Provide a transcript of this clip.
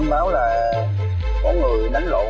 có đánh nào không biết anh báo ra rồi chị đánh lộn không